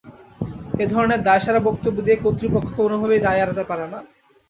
এ ধরনের দায়সারা বক্তব্য দিয়ে কর্তৃপক্ষ কোনোভাবেই দায় এড়াতে পারে না।